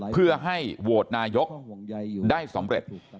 เพื่อให้โหวตนายกได้สำเร็จ